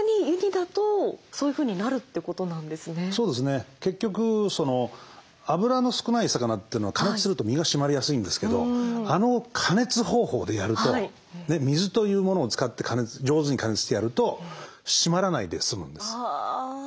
そうですね結局脂の少ない魚というのは加熱すると身が締まりやすいんですけどあの加熱方法でやると水というものを使って上手に加熱してやると締まらないで済むんです。